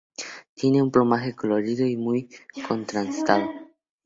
Tiene un plumaje colorido y muy contrastado.